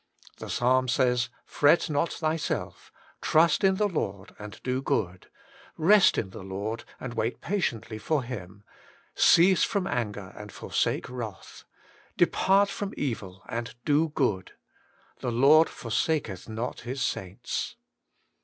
The psalm says, * Fret not thyself; trust in the Lord, and do good. Rest in the Lord, and wait patiently for Him ; cease from anger, and forsake wrath. Depart from evil, and do good ; the Lord f orsaketii not His saints.